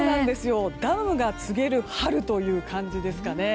ダムが告げる春という感じですかね。